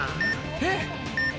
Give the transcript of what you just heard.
えっ！